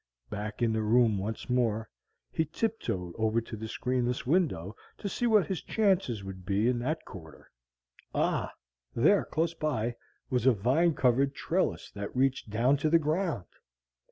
Back in the room once more, he tiptoed over to the screenless window to see what his chances would be in that quarter. Ah, there, close by, was a vine covered trellis that reached down to the ground!